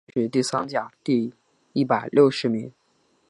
殿试登进士第三甲第一百六十名。